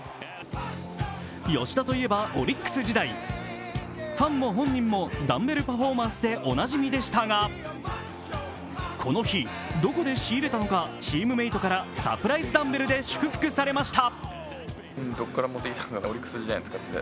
吉田といえばオリックス時代、ファンも本人もダンベルパフォーマンスでおなじみでしたが、この日、どこで仕入れたのかチームメイトからサプライズダンベルで祝福されました。